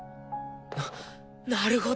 なっなるほど！